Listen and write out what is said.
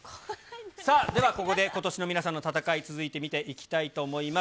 さあ、ではここで、ことしの皆さんの戦い、続いて見ていきたいと思います。